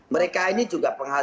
mereka ini juga penghasil